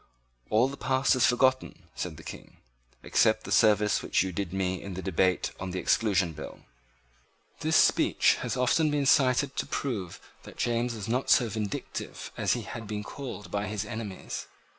"All the past is forgotten," said the King, "except the service which you did me in the debate on the Exclusion Bill." This speech has often been cited to prove that James was not so vindictive as he had been called by his enemies.